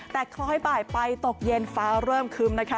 แต่คล้อยบ่ายไปตกเย็นฟ้าเริ่มคึ้มนะคะ